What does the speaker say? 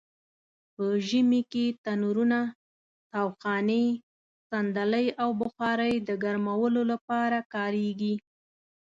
په ژمې کې تنرونه؛ تاوخانې؛ صندلۍ او بخارۍ د ګرمولو لپاره کاریږي.